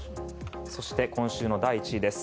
そして、今週の第１位です。